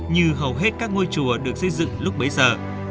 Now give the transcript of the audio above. như hầu hết các ngôi chùa được xây dựng lúc bấy giờ